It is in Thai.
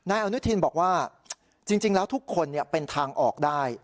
อนุทินบอกว่าจริงแล้วทุกคนเป็นทางออกได้